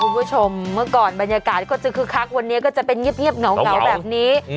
คุณผู้ชมเมื่อก่อนบรรยากาศก็จะคึกคักวันนี้ก็จะเป็นเงียบเหงาแบบนี้